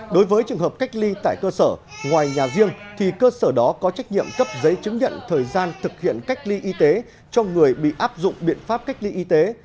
đối với trường hợp cách ly tại cơ sở ngoài nhà riêng thì cơ sở đó có trách nhiệm cấp giấy chứng nhận thời gian thực hiện cách ly y tế cho người bị áp dụng biện pháp cách ly y tế